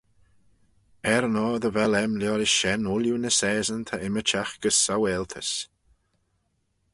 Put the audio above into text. Er-yn-oyr dy vel aym liorish shen ooilley ny saaseyn ta ymmyrçhagh gys saualtys.